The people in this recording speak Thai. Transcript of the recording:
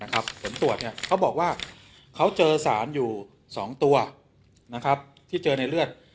ผลตรวจเขาบอกว่าเขาเจอสารอยู่๒ตัวที่เจอในเลือด